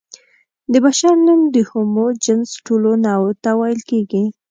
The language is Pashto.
د بشر نوم د هومو جنس ټولو نوعو ته ویل کېږي.